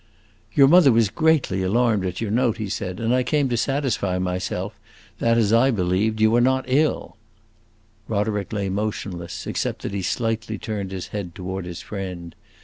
"Your mother was greatly alarmed at your note," he said, "and I came to satisfy myself that, as I believed, you are not ill." Roderick lay motionless, except that he slightly turned his head toward his friend.